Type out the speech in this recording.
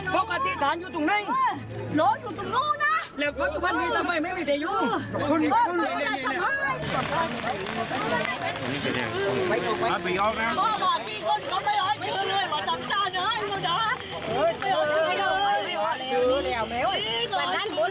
เพราะการที่สถานอยู่ตรงนั้นหลวงอยู่ตรงนู้นนะและก็ทุกวันมีตามแววไม่มีแต่อยู่